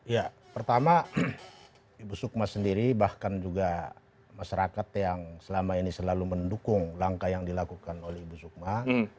ya pertama ibu sukma sendiri bahkan juga masyarakat yang selama ini selalu mendukung langkah yang dilakukan oleh ibu sukma